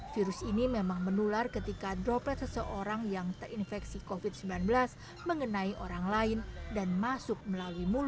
virus ini memang menular ketika droplet seseorang yang terinfeksi covid sembilan belas mengenai orang lain dan masuk melalui mulut